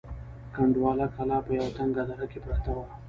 کنډواله کلا په یوه تنگه دره کې پرته وه.